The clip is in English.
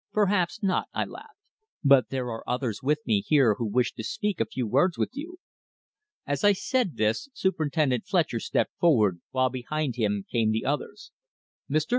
"Perhaps not," I laughed. "But there are others with me here who wish to speak a few words with you." As I said this Superintendent Fletcher stepped forward, while behind him came the others. "Mr.